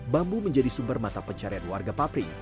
bambu menjadi sumber mata pencarian warga papri